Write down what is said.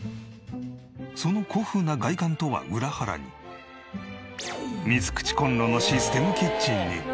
その古風な外観とは裏腹に３口コンロのシステムキッチンに。も完備。